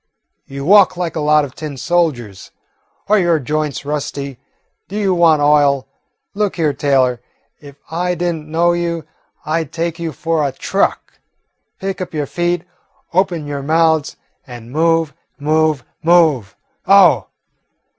You walk like a lot of tin soldiers. Are your joints rusty? Do you want oil? Look here, Taylor, if I did n't know you, I 'd take you for a truck. Pick up your feet, open your mouths, and move, move, move! Oh!"